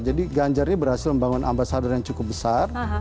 jadi ganjarnya berhasil membangun ambasador yang cukup besar